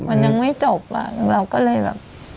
มันยังไม่จบอ่ะเราก็เลยแบบ